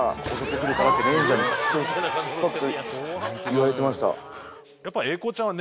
言われてました。